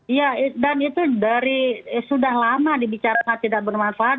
iya dan itu dari sudah lama dibicarakan tidak bermanfaat